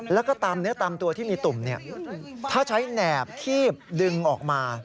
แล้วก็ตามเนื้อตามตัวที่มีตุ่มถ้าใช้แหนบคีบดึงออกมา